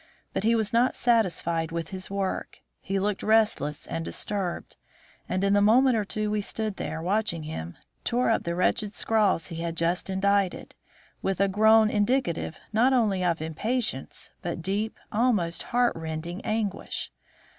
But he was not satisfied with his work. He looked restless and disturbed, and, in the minute or two we stood there watching him, tore up the wretched scrawls he had just indited, with a groan indicative not only of impatience, but deep, almost heartrending anguish.